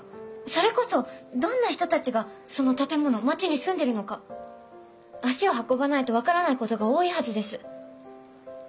それこそどんな人たちがその建物街に住んでるのか足を運ばないと分からないことが多いはずです。